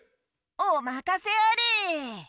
おまかせあれ！